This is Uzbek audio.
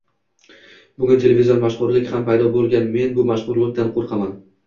Bugun televizion mashhurlik ham paydo boʻlgan… Men bu mashhurlikdan qoʻrqaman